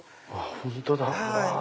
本当だ！